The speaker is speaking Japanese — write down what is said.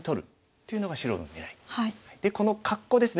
でこの格好ですね。